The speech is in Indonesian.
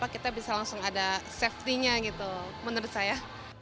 kita bisa langsung ada safety nya gitu menurut saya